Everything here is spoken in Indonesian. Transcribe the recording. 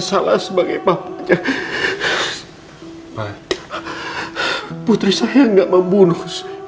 salahkan saya aja bu saya yang salah